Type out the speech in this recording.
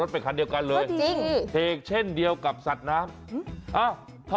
ไปตัวเดียวไม่เอา